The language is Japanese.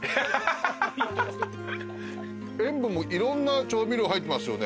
塩分もいろんな調味料入ってますよね？